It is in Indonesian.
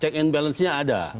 check and balance nya ada